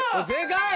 正解！